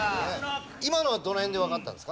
今のはどの辺でわかったんですか？